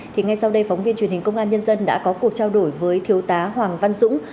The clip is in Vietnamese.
thì ngay sau đây phóng viên truyền hình công an nhân dân đã có cuộc trao đổi với thiếu tá hoàng văn dũng